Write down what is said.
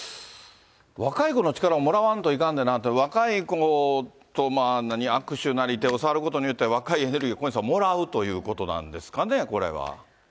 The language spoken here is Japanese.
若い子の力をもらわんといかんでなと、言って、若い子と、何、握手なり手を触ることによって、若い力をもらうということなんですかね、これは。